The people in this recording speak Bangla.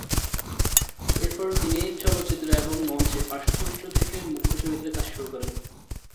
এরপর তিনি চলচ্চিত্রে এবং মঞ্চে পার্শ্ব চরিত্র থেকে মুখ্য চরিত্রে কাজ শুরু করেন।